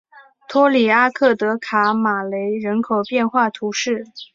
托里阿克德卡马雷人口变化图示